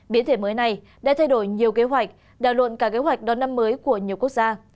biến thể mới này đã thay đổi nhiều kế hoạch đào luận cả kế hoạch đón năm mới của nhiều quốc gia